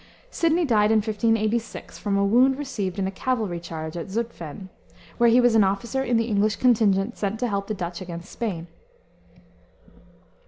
Sidney died in 1586, from a wound received in a cavalry charge at Zutphen, where he was an officer in the English contingent, sent to help the Dutch against Spain.